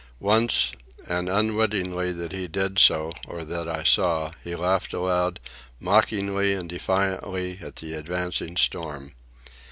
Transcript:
Once, and unwitting that he did so or that I saw, he laughed aloud, mockingly and defiantly, at the advancing storm.